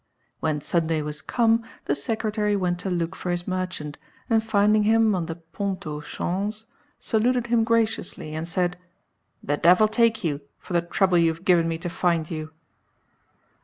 When Sunday was come, the secretary went to look for his merchant, and finding him on the Pont au Change, (4) saluted him graciously and said "The devil take you, for the trouble you have given me to find you."